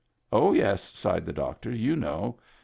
"Oh, yes," sighed the doctor. "You know.